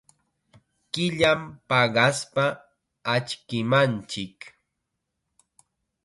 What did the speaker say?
Killam paqaspa achkimanchik.